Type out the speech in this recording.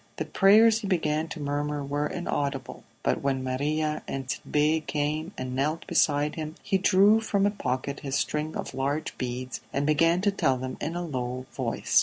The prayers he began to murmur were inaudible, but when Maria and Tit'Bé came and knelt beside him he drew from a pocket his string of large beads and began to tell them in a low voice.